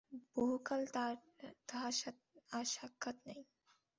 বহুকাল তাহার আর সাক্ষাৎ নাই।